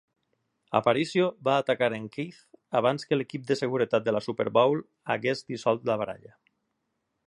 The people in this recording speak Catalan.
Aparicio va atacar en Keith abans que l"equip de seguretat de la Super Bowl hagués dissolt la baralla.